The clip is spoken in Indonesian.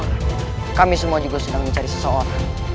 orang kami semua sedang mencari seseorang